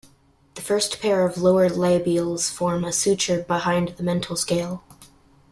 The first pair of lower labials form a suture behind the mental scale.